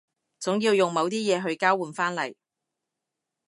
總要用某啲嘢去交換返嚟